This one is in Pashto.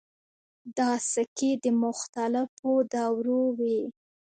دا سکې د مختلفو دورو وې